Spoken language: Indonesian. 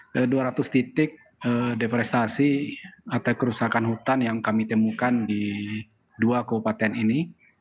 ke dua ratus titik deforestasi atau kerusakan hutan yang kami temukan di dua kabupaten ini